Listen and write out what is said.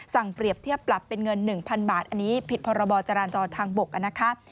เปรียบเทียบปรับเป็นเงิน๑๐๐๐บาทอันนี้ผิดพรบจราจรทางบกนะคะ